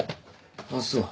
あっそう。